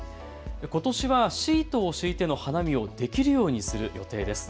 ことしはシートを敷いての花見をできるようにする予定です。